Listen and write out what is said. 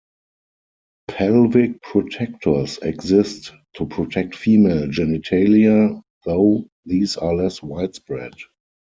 Pelvic protectors exist to protect female genitalia, though these are less widespread.